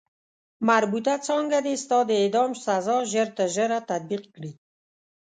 مربوطه څانګه دې ستا د اعدام سزا ژر تر ژره تطبیق کړي.